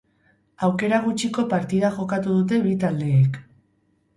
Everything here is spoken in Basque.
Aukera gutxiko partida jokatu dute bi taldeek.